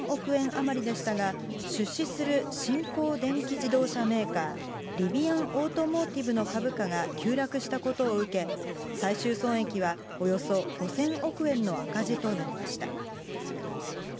余りでしたが、出資する新興電気自動車メーカー、リビアン・オートモーティブの株価が急落したことを受け、最終損益はおよそ５０００億円の赤字となりました。